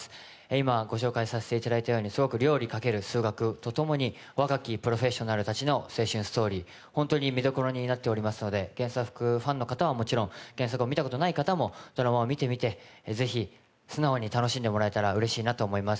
今、ご紹介させていただいたように数学×料理若きプロフェッショナルたちの青春ストーリー、本当に見どころになっていますので原作ファンの方はもちろん原作を見たことのない方もドラマを見てみてぜひ素直に楽しんでもらえたらうれしいと思います。